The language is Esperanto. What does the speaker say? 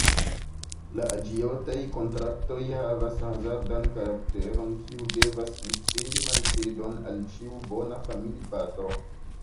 La aĝiotaj kontraktoj havas hazardan karakteron, kiu devas inspiri malfidon al ĉiu bona familipatro.